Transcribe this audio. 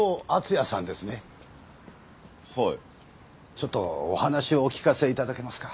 ちょっとお話をお聞かせ頂けますか？